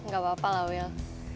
gak apa apa lah wil